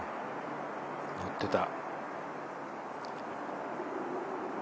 乗ってた。